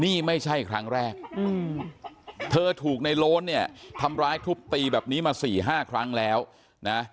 นี่ไม่ใช่ครั้งแรกเธอถูกในโล้นเนี่ยทำร้ายทุบตีแบบนี้มา๔๕ครั้งแล้วนะ